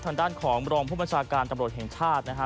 ทางด้านของรองผู้บัญชาการตำรวจแห่งชาตินะฮะ